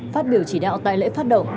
phát biểu chỉ đạo tại lễ phát động